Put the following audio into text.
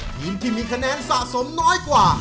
ทีมที่มีคะแนนสะสมน้อยกว่า